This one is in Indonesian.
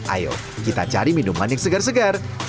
ayo kita cari minuman yang segar segar